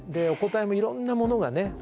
お答えもいろんなものがね。